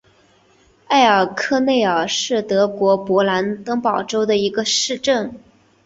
埃尔克内尔是德国勃兰登堡州的一个市镇。